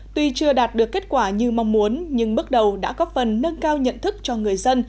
tuy chưa đạt được kết quả như mong muốn nhưng bước đầu đã góp phần nâng cao nhận thức cho người dân